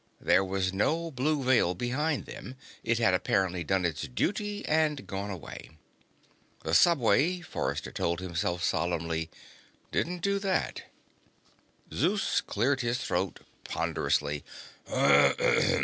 There was no blue veil behind them. It had, apparently, done its duty and gone away. The subway, Forrester told himself solemnly, didn't do that. Zeus cleared his throat ponderously.